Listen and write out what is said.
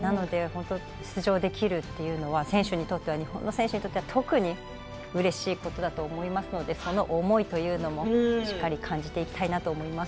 出場できるというのは選手にとって日本の選手にとって特にうれしいことだと思いますのでその思いというのもしっかり感じていただきたいなと思います。